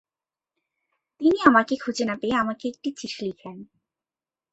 তিনি আমাকে খুঁজে না পেয়ে আমাকে একটি চিঠি লিখেন।